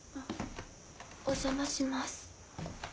お邪魔します。